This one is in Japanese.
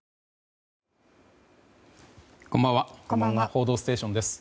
「報道ステーション」です。